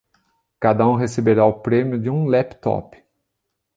Cada um receberá o prêmio de um laptop.